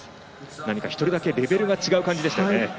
何か１人だけレベルが違う感じでしたね。